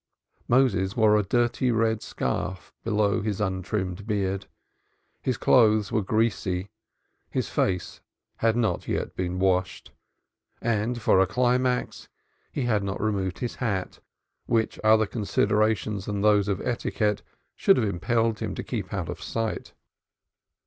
Moses wore a dirty red scarf below his untrimmed beard, his clothes were greasy, his face had not yet been washed, and for a climax he had not removed his hat, which other considerations than those of etiquette should have impelled him to keep out of sight.